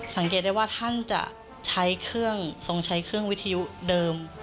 สังเกตได้ว่าท่านจะใช้เครื่องทรงใช้เครื่องวิทยุเดิม